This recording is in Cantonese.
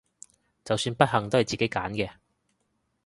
就算不幸都係自己揀嘅！